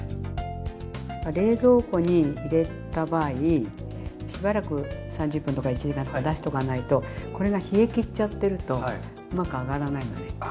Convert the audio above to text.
冷蔵庫に入れた場合しばらく３０分とか１時間とか出しとかないとこれが冷え切っちゃってるとうまく揚がらないのね。